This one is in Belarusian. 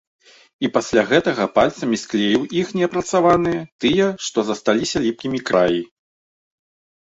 І пасля гэтага пальцамі склеіў іх неапрацаваныя, тыя, што засталіся ліпкімі краі.